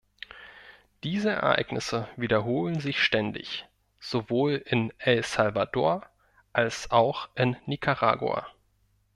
Diese Ereignisse wiederholen sich ständig, sowohl in El Salvador als auch in Nikaragua.